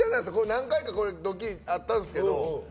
何回かドッキリあったんですけど。